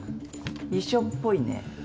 遺書っぽいね。